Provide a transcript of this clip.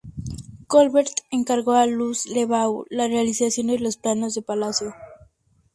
Colbert encargó a Luis Le Vau la realización de los planos del palacio.